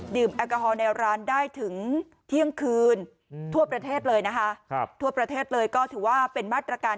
ดื่มแอลกอฮอล์ในร้านได้ถึงเที่ยงคืนทั่วประเทศเลยก็ถือว่าเป็นมาตรการ